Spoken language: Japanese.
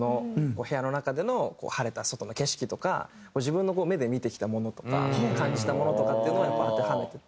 部屋の中での晴れた外の景色とか自分の目で見てきたものとか感じたものとかっていうのをやっぱ当てはめてて。